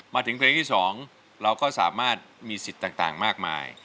มาถึงเพลงที่๒เราก็สามารถมีสิทธิ์ต่างมากมาย